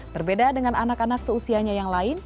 berbeda dengan anak anak seusianya yang lain